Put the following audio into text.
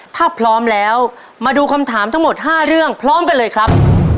ถ้าพร้อมแล้วมาดูคำถามทั้งหมด๕เรื่องพร้อมกันเลยครับ